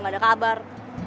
gak ada kabar